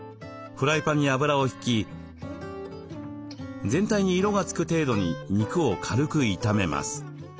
フライパンに油を引き全体に色が付く程度に肉を軽く炒めます。